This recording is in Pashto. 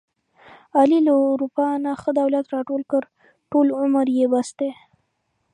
علي له اروپا نه ښه دولت راټول کړ، ټول عمر یې بس دی.